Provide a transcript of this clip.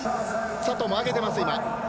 佐藤も上げてます。